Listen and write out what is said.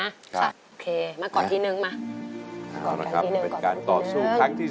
ใช่โอเคมาก่อนทีหนึ่งมาครับเป็นการต่อสู้ครั้งที่